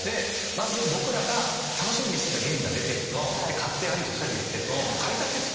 まず僕らが楽しみにしてたゲームが出て買って兄と２人でやってて。